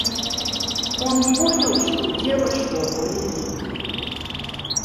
Он понял, что дело шло о религии.